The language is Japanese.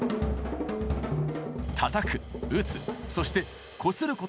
たたく打つそしてこすることなら何でも！